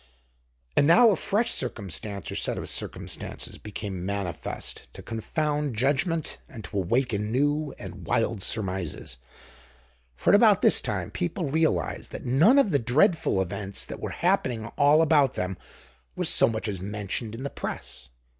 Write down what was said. And now a fresh circumstance or set of circumstances became manifest to confound judgment and to awaken new and wild surmises. For at about this time people realized that none of the dreadful events that were happening all about them was so much as mentioned in the Press.